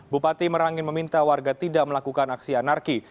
bupati merangin meminta warga tidak melakukan aksi anarki